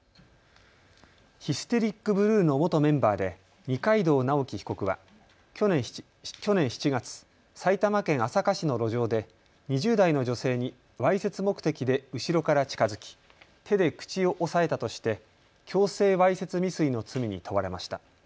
ヒステリックブルーの元メンバーで二階堂直樹被告は去年７月、埼玉県朝霞市の路上で２０代の女性にわいせつ目的で後ろから近づき手で口を押さえたとして強制わいせつ未遂の罪に問われました。